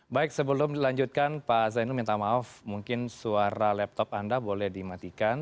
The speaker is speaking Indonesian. baik sebelum dilanjutkan pak zainul minta maaf mungkin suara laptop anda boleh dimatikan